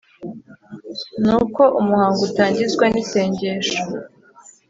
nuko umuhango utangizwa nisengesho